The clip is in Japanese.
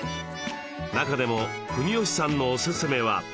中でも国吉さんのおすすめは。